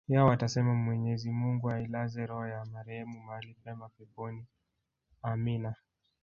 yao watasema mwenyezi mungu ailaze roho ya marehemu mahali pema peponi amina